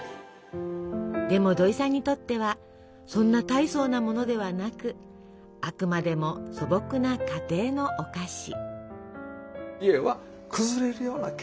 でも土井さんにとってはそんな大層なものではなくあくまでも素朴な家庭のお菓子。